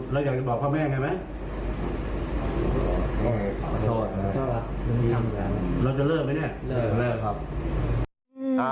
เลิกครับ